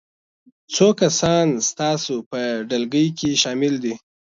څو کسان ستاسو په ډلګي کې شامل دي؟